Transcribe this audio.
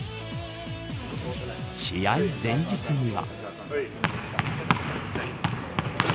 試合前日には。